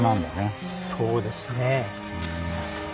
そうですね。